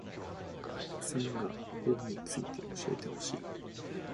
サンガ―法について教えてほしい